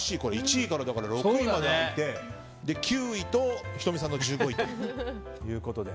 １位から６位まで開いて９位と仁美さんの１５位ということで。